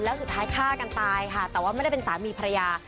แล้วสุดท้ายฆ่ากันตายค่ะแต่ว่าไม่ได้เป็นสามีภรรยา